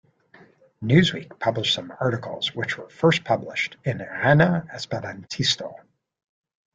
"Newsweek" published some articles which were first published in "Irana Esperantisto".